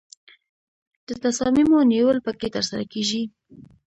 د تصامیمو نیول پکې ترسره کیږي.